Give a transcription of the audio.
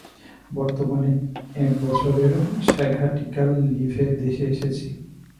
বর্তমানে এক বছরের স্যাঘাটিক্যাল লীভে দেশে এসেছি।